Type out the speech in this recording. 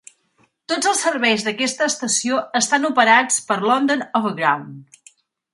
Tots els serveis d'aquesta estació estan operats per London Overground.